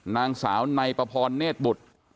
นางสาวนายประพรเนศบุตร